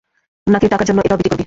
না-কি টাকার জন্য এটাও বিক্রি করবি?